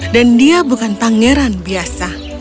dan dia bukan pangeran biasa